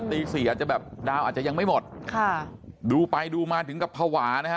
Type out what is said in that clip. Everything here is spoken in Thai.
ตีสี่อาจจะแบบดาวอาจจะยังไม่หมดค่ะดูไปดูมาถึงกับภาวะนะฮะ